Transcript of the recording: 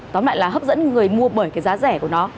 tóm lại là hấp dẫn người mua bởi cái giá rẻ của nó